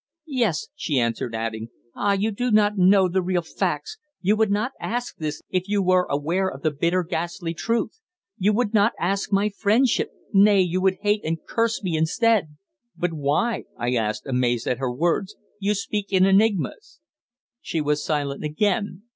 "Yes," she answered, adding, "Ah! you do not know the real facts! You would not ask this if you were aware of the bitter, ghastly truth. You would not ask my friendship nay, you would hate and curse me instead!" "But why?" I asked, amazed at her words. "You speak in enigmas." She was silent again.